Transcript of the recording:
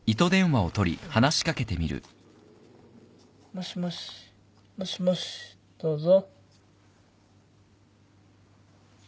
もしもしもしもしどうぞ。